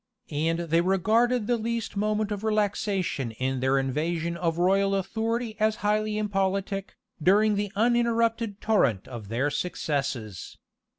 And they regarded the least moment of relaxation in their invasion of royal authority as highly impolitic, during the uninterrupted torrent of their successes.